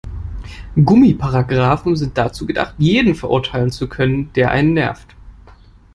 Gummiparagraphen sind dazu gedacht, jeden verurteilen zu können, der einen nervt.